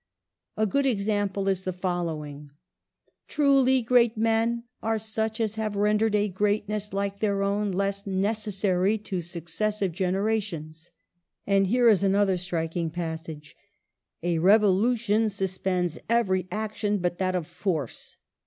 A good example is the following :" Truly great men are such as have rendered a greatness like their own less necessary to successive genera tions." Andvhere is another striking passage :" A revolution suspends every action but that of force.